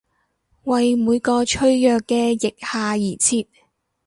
為每個脆弱嘅腋下而設！